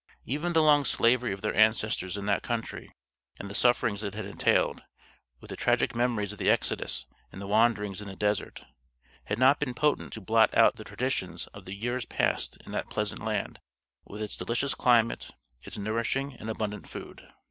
Even the long slavery of their ancestors in that country and the sufferings it had entailed, with the tragic memories of the exodus and the wanderings in the desert, had not been potent to blot out the traditions of the years passed in that pleasant land with its delicious climate, its nourishing and abundant food.